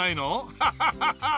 ハハハハッ！